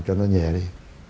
cho nó nhẹ đi